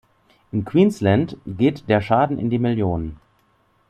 In Queensland geht der Schaden in die Millionen.